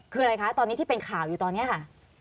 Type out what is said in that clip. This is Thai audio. คืออะไรคะตอนนี้ที่เป็นข่าวอยู่ตอนนี้ค่ะ